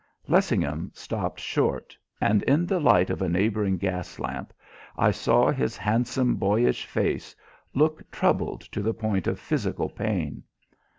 Lessingham stopped short, and in the light of a neighbouring gas lamp I saw his handsome, boyish face look troubled to the point of physical pain.